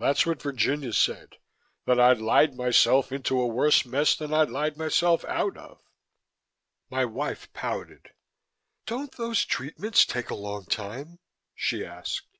That's what Virginia said, that I'd lied myself into a worse mess than I'd lied myself out of." My wife pouted. "Don't these treatments take a long time?" she asked.